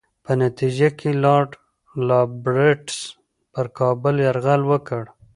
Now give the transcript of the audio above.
په نتیجه کې لارډ رابرټس پر کابل یرغل وکړ.